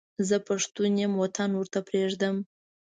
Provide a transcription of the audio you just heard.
زه پښتون یم وطن ورته پرېږدم.